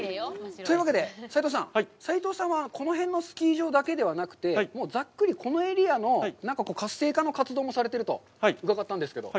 というわけで、齋藤さん、齋藤さんは、この辺のスキー場だけではなくて、ざっくりこのエリアの活性化の活動もされていると伺ったんですけど。